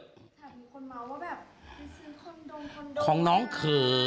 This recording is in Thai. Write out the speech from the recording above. มีคนเมาว์ว่าแบบไปซื้อคอนโดคอนโด